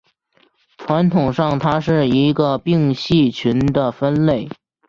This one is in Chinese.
传统上它是一个并系群的分类。